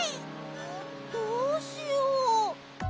どうしよう。